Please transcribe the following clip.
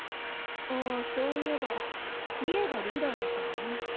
ああそういえば利恵がリーダーだったわね。